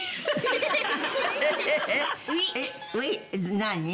何？